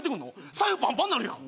財布パンパンなるやん！